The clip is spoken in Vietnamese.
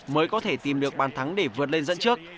mới có thể tìm được bàn thắng để vượt lên dẫn trước